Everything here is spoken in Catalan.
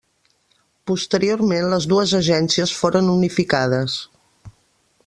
Posteriorment les dues agències foren unificades.